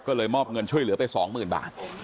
ก็เลยมอบเงินช่วยเหลือไป๒๐๐๐บาท